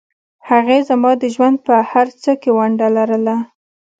هغې زما د ژوند په هرڅه کې ونډه لرله